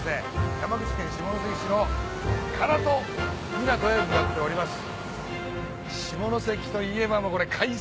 山口県下関市の唐戸港へ向かっております。